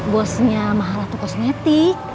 bosnya mahalatu kosmetik